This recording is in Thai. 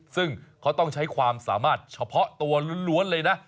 ซึ่งเขาต้องใช้ความสามารถเฉพาะตัวล้วนเลยนะ